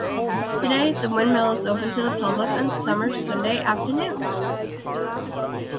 Today the windmill is open to the public on Summer Sunday afternoons.